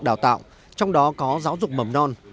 đào tạo trong đó có giáo dục mầm non